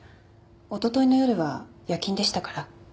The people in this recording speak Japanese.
おとといの夜は夜勤でしたから。